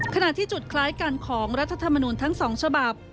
ขณะที่จุดคล้ายกันของรัฐธรรมนูลทั้ง๒ฉบับ